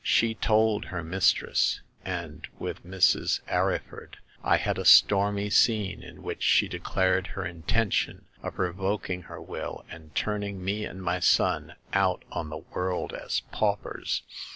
She told her mistress, and with Mrs. Arryford I had a stormy scene, in which she declared her intention of revoking her will and turning me and my son out on the world as paupers.